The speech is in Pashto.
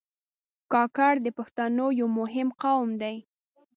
کاکړ د پښتنو یو مهم قوم دی.